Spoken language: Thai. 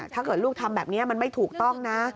ถ้าเกิดลูกทำแบบนี้มันไม่ถูกต้องนะ